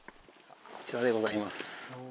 こちらでございます。